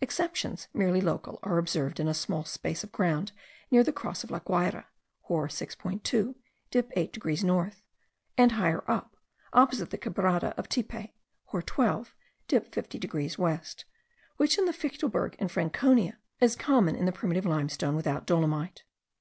Exceptions merely local are observed in a small space of ground near the Cross of La Guayra (hor. 6.2, dip 8 degrees north); and higher up, opposite the Quebrada of Tipe (hor. 12, dip 50 degrees west).), which in the Fichtelberg, in Franconia, is common in the primitive limestone without dolomite.